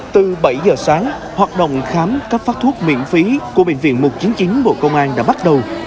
từ bảy giờ sáng hoạt động khám các phát thuốc miễn phí của bệnh viện một mươi chín tháng chín bộ công an đã bắt đầu